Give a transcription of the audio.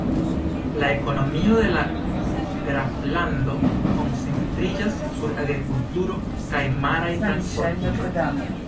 La ekonomio de la graflando koncentriĝas sur agrikulturo kaj maraj transportiloj.